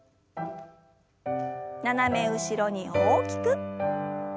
斜め後ろに大きく。